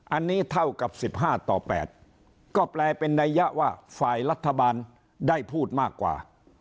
อันนี้เท่ากับ๑๕ต่อ๘ก็แปลเป็นนัยยะว่าฝ่ายรัฐบาลได้พูดมากกว่า